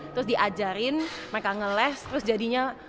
terus diajarin mereka ngeles terus jadinya